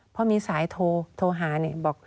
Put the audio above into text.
เพราะมีสายโทรโทรหาเนี่ยบอก